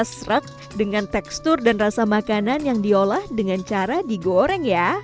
rupanya nenek moyang kita merasa seret dengan tekstur dan rasa makanan yang diolah dengan cara digoreng ya